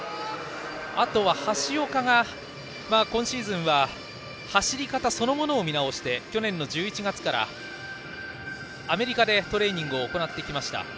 あとは橋岡が、今シーズンは走り方そのものを見直していて、去年の１１月からアメリカでトレーニングを行ってきました。